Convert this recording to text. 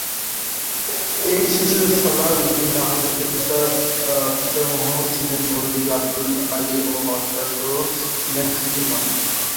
এই শিশু সালাহ উদ্দিন আহমদের পিতামহ ছিলেন মৌলভী আবদুল আলী ও মাতামহ ছিলেন হাকিমন।